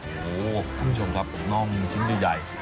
โอ้โหคุณผู้ชมครับน่องชิ้นใหญ่